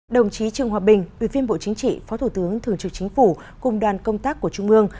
đồng chí trương hòa bình ủy viên bộ chính trị phó thủ tướng thường trực chính phủ cùng đoàn công tác của trung ương